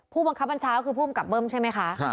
ผู้บังคับบัญชาก็คือผู้กำกับเบิ้มใช่ไหมคะ